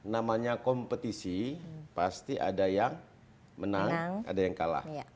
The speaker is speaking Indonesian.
namanya kompetisi pasti ada yang menang ada yang kalah